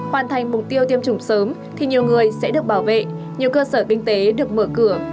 hoàn thành mục tiêu tiêm chủng sớm thì nhiều người sẽ được bảo vệ nhiều cơ sở kinh tế được mở cửa